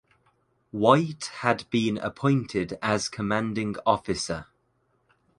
White had been appointed as commanding officer.